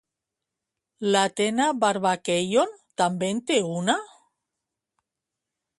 L'Atena Varvakeion també en té una?